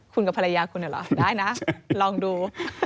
คุณกับภรรยาคุณเหรอได้นะลองดู